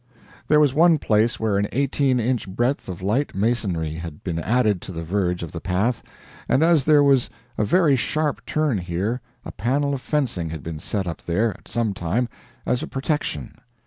There was one place where an eighteen inch breadth of light masonry had been added to the verge of the path, and as there was a very sharp turn here, a panel of fencing had been set up there at some time, as a protection.